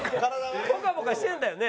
ポカポカしてるんだよね？